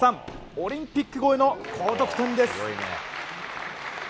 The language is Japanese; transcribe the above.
オリンピック超えの高得点です！